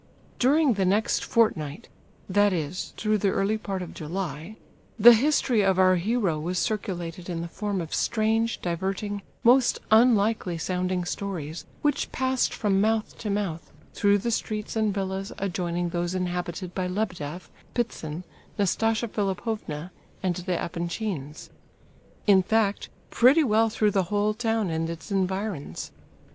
During the next fortnight—that is, through the early part of July—the history of our hero was circulated in the form of strange, diverting, most unlikely sounding stories, which passed from mouth to mouth, through the streets and villas adjoining those inhabited by Lebedeff, Ptitsin, Nastasia Philipovna and the Epanchins; in fact, pretty well through the whole town and its environs.